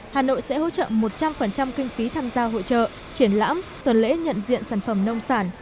hà nội sẽ hỗ trợ một trăm linh kinh phí tham gia hội trợ triển lãm tuần lễ nhận diện sản phẩm nông sản